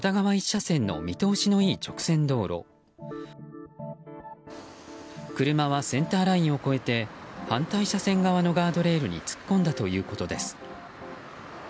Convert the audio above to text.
車はセンターラインを越えて反対車線側のガードレールに突っ込んだということです。